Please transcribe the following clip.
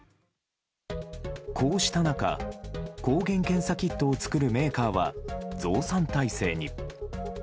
こうした中、抗原検査キットを作るメーカーは増産体制に。